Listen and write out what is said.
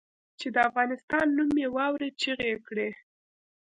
چې د افغانستان نوم یې واورېد چیغې یې کړې.